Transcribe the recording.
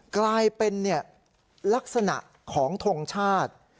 กลายเป็นลักษณะของทงชาติ